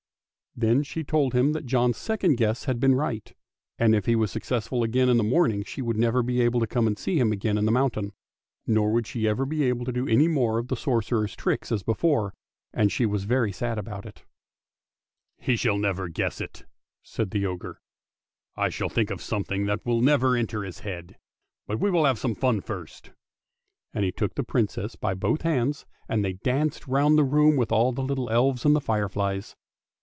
Then she told him that John's second guess had been right, and if he was successful again in the morning she would never be able to come and see him again in the mountain. Nor would she ever be able to do any more of the sorcerer's tricks as before, and she was very sad about it. 380 ANDERSEN'S FAIRY TALES " He shall never guess it," said the ogre. " I shall think of something that will never enter his head. But we will have some fun first! " And he took the Princess by both hands and they danced round the room with all the little elves and the fireflies.